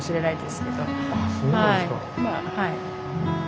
まあはい。